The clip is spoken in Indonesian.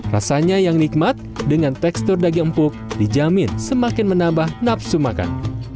rasanya yang nikmat dengan tekstur daging empuk dijamin semakin menambah nafsu makan